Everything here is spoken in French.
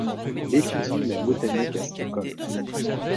Il étudie la botanique à Stockholm.